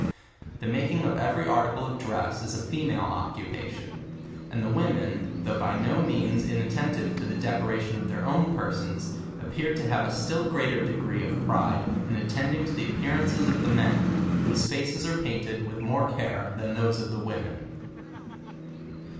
The making of every article of dress is a fe male occupation; and the women, though by no means inat tentive to the decoration of their own persons, appear to have a still greater degree" of pride in attending to the ap pearances of the men, "whose faces are painted with more care than those of the women.